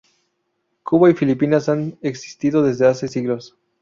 Cuba y Filipinas han existido desde hace siglos.